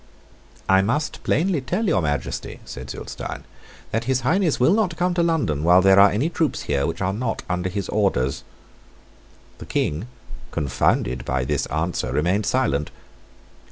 "I must plainly tell your Majesty," said Zulestein, "that His Highness will not come to London while there are any troops here which are not under his orders." The King, confounded by this answer, remained silent.